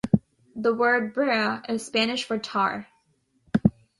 The word "brea" is Spanish for tar.